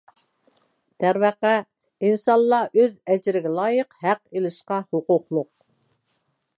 دەرۋەقە، ئىنسانلار ئۆز ئەجرىگە لايىق ھەق ئېلىشقا ھوقۇقلۇق.